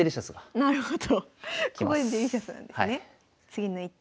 なるほど。